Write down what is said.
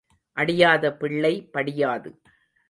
அடியாத பிள்ளை படியாது.